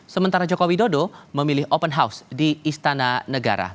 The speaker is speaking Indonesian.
sementara joko widodo memilih open house di istana negara